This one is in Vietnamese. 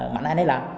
mạnh ai nấy làm